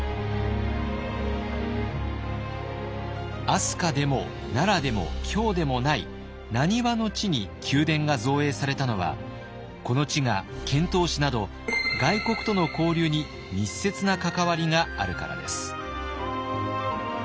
飛鳥でも奈良でも京でもない難波の地に宮殿が造営されたのはこの地が遣唐使など外国との交流に密接な関わりがあるからです。